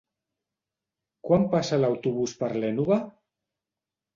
Quan passa l'autobús per l'Énova?